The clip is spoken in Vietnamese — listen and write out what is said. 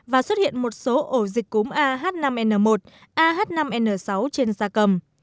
và xuất hiện một số ổ dịch cúm ah năm n một ah năm n sáu trên da cầm